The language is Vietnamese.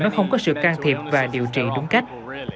nó không có sự can thiệp và điều trị đúng cách